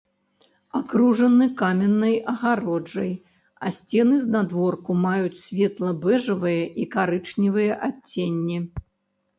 Акружаны каменнай агароджай, а сцены знадворку маюць светла-бэжавыя і карычневыя адценні.